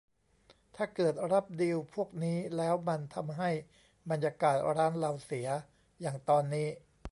ถ้าเกิดรับดีลพวกนี้แล้วมันทำให้บรรยากาศร้านเราเสีย อย่างตอนนี้